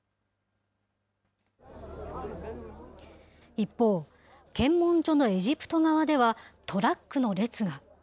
一方、検問所のエジプト側ではトラックの列が。